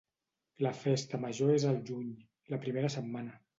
La festa major és al juny, la primera setmana.